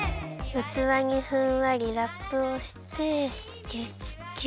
うつわにふんわりラップをしてギュッギュッと。